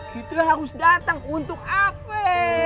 kita harus datang untuk ap